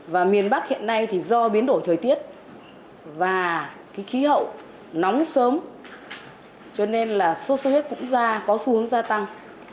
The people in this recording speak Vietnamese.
và miền bắc hiện nay thì do biến đổi thời tiết và cái khí hậu nóng sớm cho nên là sốt xuất huyết cũng ra có xu hướng gia tăng